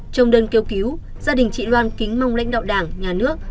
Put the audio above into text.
trong đơn kêu cứu gia đình chị loan kính mong lãnh đạo đảng nhà nước